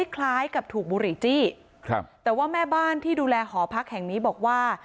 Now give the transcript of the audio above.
คล้ายกับถูกบุหรี่จี้ครับแต่ว่าแม่บ้านที่ดูแลหอพักแห่งนี้บอกว่า